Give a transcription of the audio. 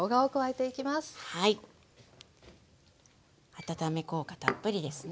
温め効果たっぷりですね。